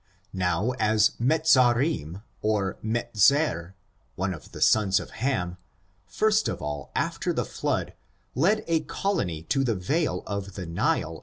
Now, as Mezch rinij or Mezar, one of the sons of Ham, first of all, after the flood,, led a colony to the vale of the iVt/i?